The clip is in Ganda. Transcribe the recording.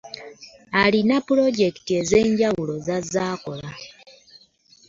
Alina pulojekiti ezenjawulo z'azze akola.